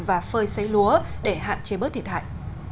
và phơi xấy lúa để hạn chế bớt thiệt hại